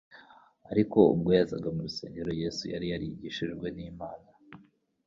Ariko ubwo yazaga mu rusengero Yesu yari yarigishijwe n'Imana,